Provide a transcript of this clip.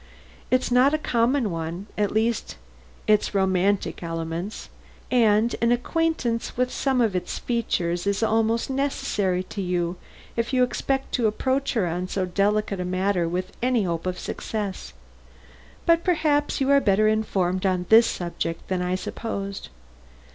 It is not a common one at least it has its romantic elements and an acquaintance with some of its features is almost necessary to you if you expect to approach her on so delicate a matter with any hope of success. But perhaps you are better informed on this subject than I supposed?